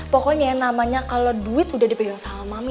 pokoknya namanya kalo duit udah dipegang sama mami